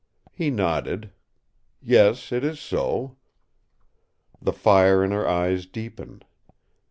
He nodded. "Yes, it is so." The fire in her eyes deepened.